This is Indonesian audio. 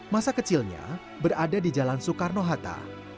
masa kecilnya berada di jalan soekarno hatta